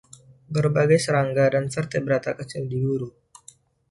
Berbagai serangga dan vertebrata kecil diburu.